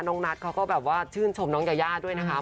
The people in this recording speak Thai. นัทเขาก็แบบว่าชื่นชมน้องยายาด้วยนะคะ